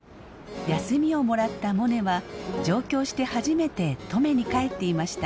休みをもらったモネは上京して初めて登米に帰っていました。